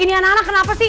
ini anak anak kenapa sih